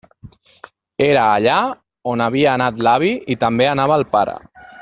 Era allà on havia anat l'avi i també anava el pare.